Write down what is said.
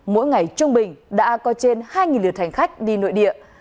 mỗi ngày trung bình đã có trên hai lượt hành khách đi nội địa